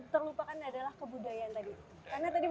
terlupakan adalah kebudayaan tadi